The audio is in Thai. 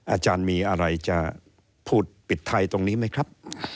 อาจารย์มีอะไรจะพูดปิดไทยตรงนี้ไหมครับ